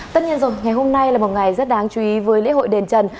tất nhiên rồi ngày hôm nay là một ngày rất đáng chú ý với lễ hội đền trần